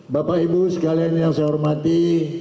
bapak ibu sekalian yang saya hormati